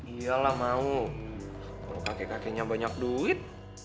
iyalah mau kalau kakek kakeknya banyak duit